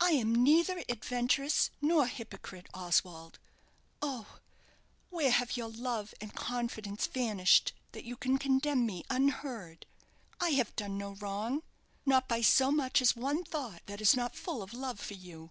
"I am neither adventuress, nor hypocrite, Oswald. Oh, where have your love and confidence vanished that you can condemn me unheard? I have done no wrong not by so much as one thought that is not full of love for you!